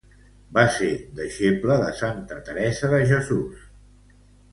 Va ser deixeble de santa Teresa de Jesús.